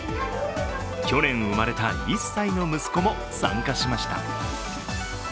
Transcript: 去年生まれた１歳の息子も参加しました。